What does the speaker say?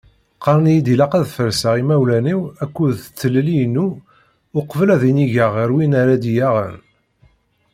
Qqaren-iyi-d ilaq ad farseɣ imawlan-iw akked d tlelli-inu uqbel ad inigeɣ ɣer win ara iyi-yaɣen.